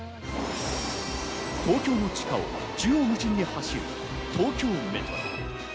東京の地下を縦横無尽に走る東京メトロ。